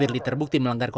di kpk sekarang ini